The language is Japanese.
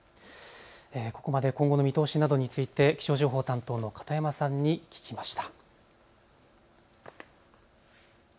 ここまで今後の見通しなどについて気象情報担当の片山さんに聞きました。